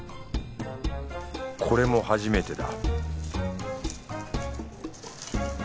これも初めてだ